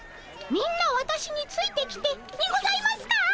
「みんなわたしについてきて」にございますか？